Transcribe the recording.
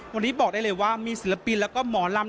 วันนี้บอกได้เลยว่ามีศิลปินแล้วก็หมอลำ